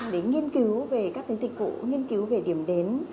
để nghiên cứu về các cái dịch vụ nghiên cứu về điểm đến